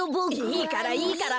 いいからいいから。